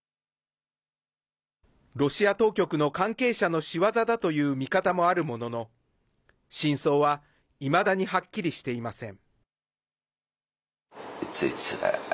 ロシア当局の関係者の仕業だという見方もあるものの真相はいまだにはっきりしていません。